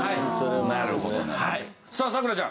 さあ咲楽ちゃん。